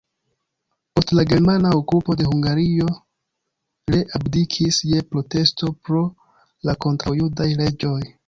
Post la germana okupo de Hungario le abdikis je protesto pro la kontraŭjudaj leĝoj.